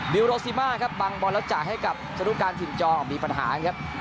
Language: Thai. ิวโรซิมาครับบังบอลแล้วจ่ายให้กับสรุการถิ่นจอมีปัญหานะครับ